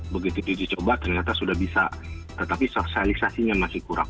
begitu diuji coba ternyata sudah bisa tetapi sosialisasinya masih kurang